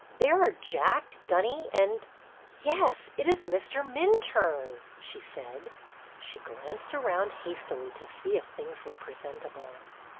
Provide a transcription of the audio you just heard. "There are Jack, Dunny, and — yes, it is Mr. Minturne !" she said. She glanced around hastily to see if things were presentable.